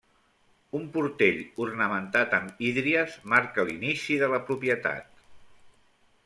Un portell ornamentat amb hídries marca l’inici de la propietat.